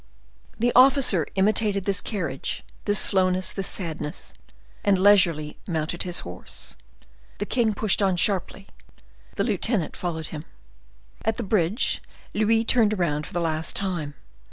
The officer imitated this carriage, this slowness, this sadness, and leisurely mounted his horse. The king pushed on sharply, the lieutenant followed him. At the bridge Louis turned around for the last time.